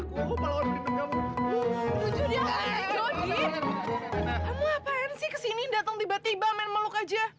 kamu ngapain sih ke sini datang tiba tiba main meluk aja